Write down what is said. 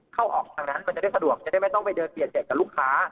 เข้าออกทางนั้นมันจะได้สะดวกจะได้ไม่ต้องไปเดินเปลี่ยนใจกับลูกค้า